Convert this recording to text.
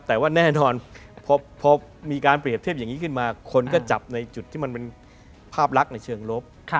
แต่ว่าแน่นอนพอมีการเปรียบเทียบอย่างนี้ขึ้นมาคนก็จับในจุดที่มันเป็นภาพลักษณ์ในเชิงลบ